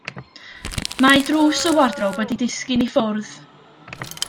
Mae drws y wardrob wedi disgyn i ffwrdd.